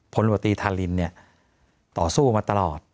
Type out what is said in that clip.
ผลวตรีธารินเนี่ยต่อสู้มาตลอด